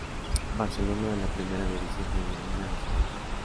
Barcelona de la Primera División Femenina de España.